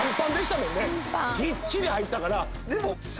ぎっちり入ってたから。